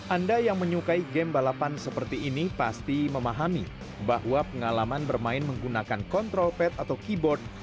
anda yang menyukai game balapan seperti ini pasti memahami bahwa pengalaman bermain menggunakan kontrol pad atau keyboard